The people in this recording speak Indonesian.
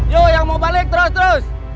yuk yang mau balik terus terus